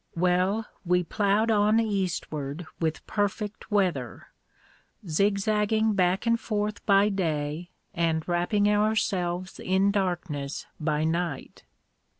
Well, we plowed on eastward with perfect weather, zigzagging back and forth by day and wrapping ourselves in darkness by night.